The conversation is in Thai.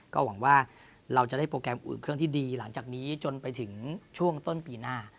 ก็หวังว่าเราจะได้โปรแกรมอุ่นเครื่องที่ดีหลังจากนี้จนไปถึงช่วงต้นปีหน้า